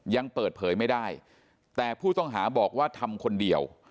ยังเปิดเผยไม่ได้แต่ผู้ต้องหาบอกว่าทำคนเดียว